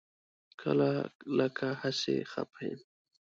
کله لکه هسې خپه یم.